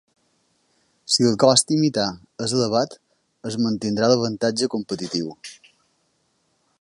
Si el cost a imitar és elevat, es mantindrà l'avantatge competitiu.